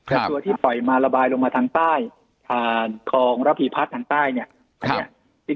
แต่ตัวที่ปล่อยมาระบายลงมาทางใต้คลองระพีพัฒน์ทางใต้เนี่ย